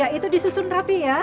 ya itu disusun rapi ya